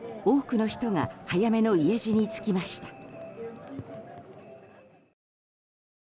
多くの人が早めの家路につきました。